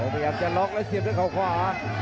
พยายามจะล็อกแล้วเสียบด้วยเขาขวา